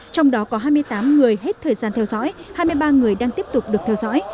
trong đó có hai mươi tám người hết thời gian theo dõi hai mươi ba người đang tiếp tục được theo dõi